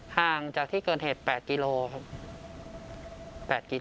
ห่างจากที่เกิดเหตุ๘กิโลครับ